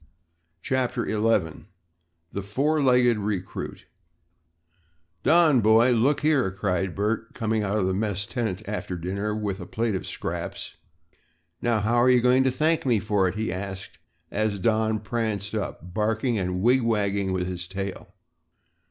CHAPTER XI THE FOUR LEGGED RECRUIT "Don, boy, look here," cried Bert, coming out of the mess tent after dinner with a plate of scraps. "Now how are you going to thank me for it?" he asked as Don pranced up, barking and wig wagging with his tail.